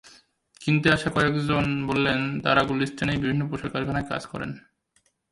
কিনতে আসা কয়েকজন বললেন, তাঁরা গুলিস্তানেই বিভিন্ন পোশাক কারখানায় কাজ করেন।